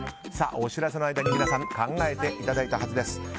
お知らせの間に皆さん考えていただいたはずです。